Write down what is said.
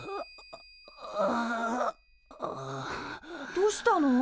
どうしたの？